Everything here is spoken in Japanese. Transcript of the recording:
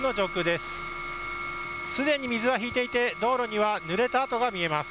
すでに水は引いていて道路にはぬれた跡が見えます。